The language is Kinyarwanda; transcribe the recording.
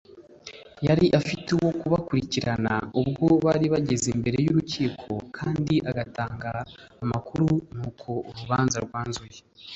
yari afite uwo kubakurikirana ubwo bari bageze imbere y’urukiko kandi agatanga amakuru nuko urubanza rwanzuwe.